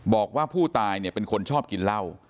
บอกว่าผู้ตายเนี่ยเป็นคนชอบกินเหล้า